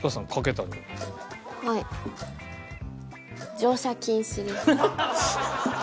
乗車禁止です。